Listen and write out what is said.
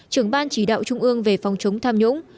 trưởng ban chỉ đạo trung ương về phòng chống tham nhũng